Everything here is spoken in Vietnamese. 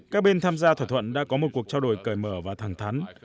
các bên tham gia thỏa thuận đã có một cuộc trao đổi cởi mở và thẳng thắn